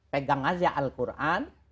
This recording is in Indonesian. pegang saja al quran